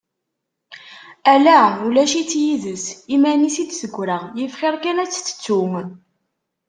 Ala! Ulac-itt yid-s, iman-is i d-tegra, yif xir kan ad tt-tettu.